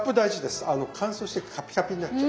乾燥してカピカピになっちゃう。